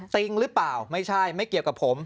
จริงหรือเปล่าไม่ใช่ไม่เกี่ยวกับผม